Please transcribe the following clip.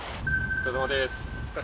お疲れさまです。